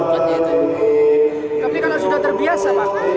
tapi kalau sudah terbiasa makan